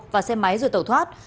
và xe máy rồi tẩu thoát